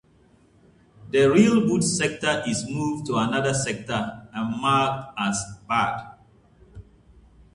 The real boot sector is moved to another sector and marked as bad.